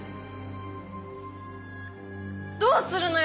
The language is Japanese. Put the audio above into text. どうするのよ？